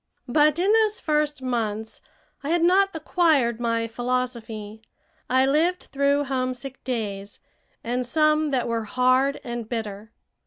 But in those first months I had not acquired my philosophy. I lived through homesick days, and some that were hard and bitter.